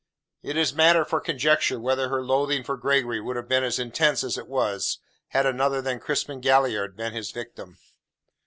It is matter for conjecture whether her loathing for Gregory would have been as intense as it was, had another than Crispin Galliard been his victim.